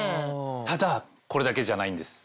ただこれだけじゃないんです。